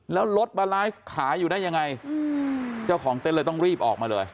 แล้วรถมาไลฟ์ขายอยู่ได้ยังไงเจ้าของเต็นต์เลยต้องรีบออกมาเลย